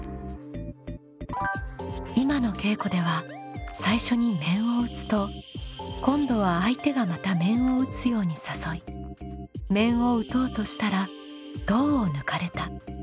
今の稽古では最初に面を打つと今度は相手がまた面を打つように誘い面を打とうとしたら胴を抜かれたという駆け引きでした。